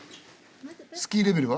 スキーレベルは？